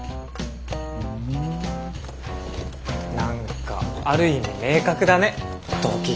ふん何かある意味明確だね動機が。